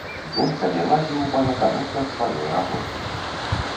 Думкамі лазіў па заканурках сваёй работы.